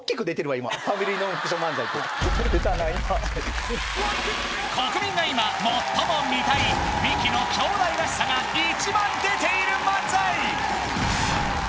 今国民が今最も見たいミキの兄弟らしさが一番出ている漫才